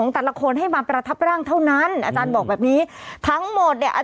ฮ่าฮ่าฮ่าฮ่าฮ่าฮ่าฮ่าฮ่าฮ่าฮ่าฮ่าฮ่า